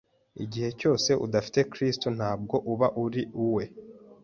igihe cyose udafite kristo ntabwo uba uri uwe